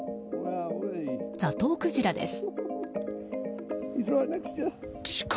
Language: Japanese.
ザトウクジラです。